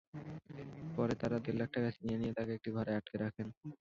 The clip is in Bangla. পরে তাঁরা দেড় লাখ টাকা ছিনিয়ে নিয়ে তাঁকে একটি ঘরে আটকে রাখেন।